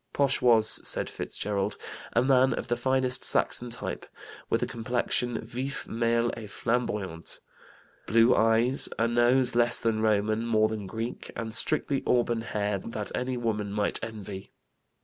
Posh was, said Fitzgerald, "a man of the finest Saxon type, with a complexion vif, mâle et flamboyant, blue eyes, a nose less than Roman, more than Greek, and strictly auburn hair that any woman might envy.